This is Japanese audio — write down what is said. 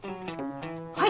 はい！